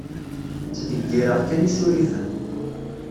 Ttdeggireɣ kan isurifen.